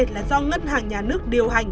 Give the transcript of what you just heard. là do ngân hàng nhà nước điều hành